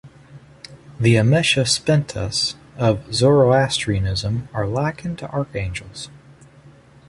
The Amesha Spentas of Zoroastrianism are likened to archangels.